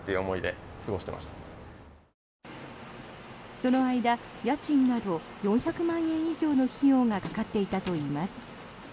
その間、家賃など４００万円以上の費用がかかっていたといいます。